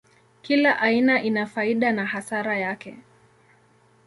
Kila aina ina faida na hasara yake.